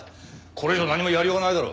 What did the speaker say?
これ以上何もやりようがないだろ。